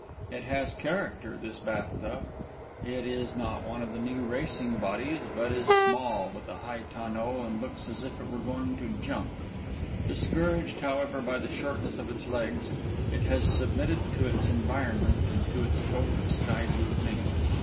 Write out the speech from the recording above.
It has character, this bath tub. It is not one of the new racing bodies, but is small with a high tonneau and looks as if it were going to jump; discouraged, however, by the shortness of its legs, it has submitted to its environment and to its coat of sky blue paint.